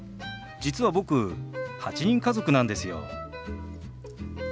実は僕８人家族なんですよ。